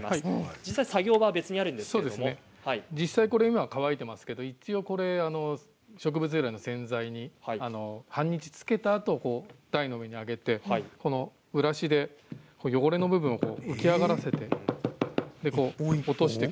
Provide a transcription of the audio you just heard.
実際に作業場は今これは乾いていますけれども植物由来の洗剤に半日つけたあと台の上に上げてブラシで汚れの部分を浮き上がらせて落としていく。